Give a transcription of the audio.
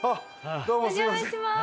玉木：お邪魔します。